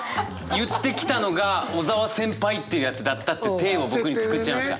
言ってきたのが小沢先輩っていうやつだったっていう体を僕つくっちゃいました。